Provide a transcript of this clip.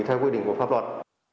theo quy định của pháp luật